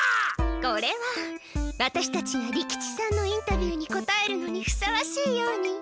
これはワタシたちが利吉さんのインタビューに答えるのにふさわしいように。